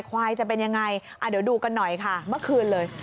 ควายจะเป็นยังไงเดี๋ยวดูกันหน่อยค่ะเมื่อคืนเลย